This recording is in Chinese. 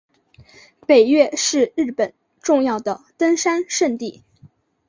北岳是日本重要的登山圣地。